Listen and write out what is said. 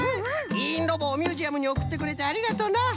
いいんロボをミュージアムにおくってくれてありがとな。